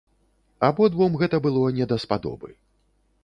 Абодвум гэта было не даспадобы.